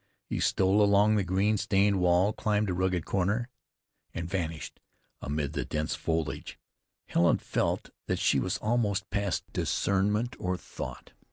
He stole along the green stained wall, climbed a rugged corner, and vanished amid the dense foliage. Helen felt that she was almost past discernment or thought.